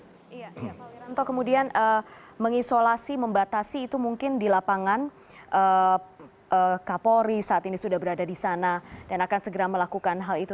pak wiranto kemudian mengisolasi membatasi itu mungkin di lapangan kapolri saat ini sudah berada di sana dan akan segera melakukan hal itu